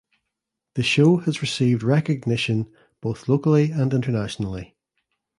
The show has received recognition both locally and internationally.